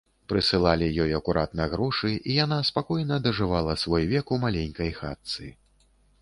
Прысылалі ёй акуратна грошы, і яна спакойна дажывала свой век у маленькай хатцы.